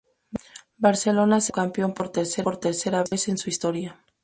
Barcelona se coronó campeón por tercera vez en su historia.